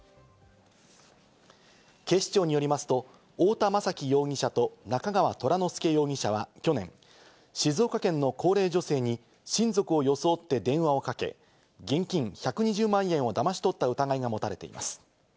警視庁によりますと、太田雅揮容疑者と中川虎乃輔容疑者は去年、静岡県の高齢女性に、親族を装って電話をかけ、現金１２０万円をだまし取った疑いが持たれています。